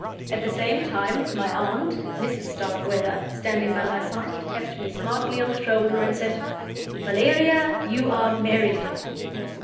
At the same time my aunt, Mrs. Starkweather, standing by my side, tapped me smartly on the shoulder, and said, "Valeria, you are married!"